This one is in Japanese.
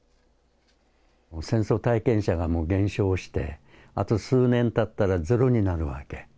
戦争体験者がもう減少して、あと数年たったらゼロになるわけ。